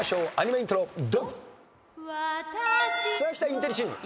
インテリチーム。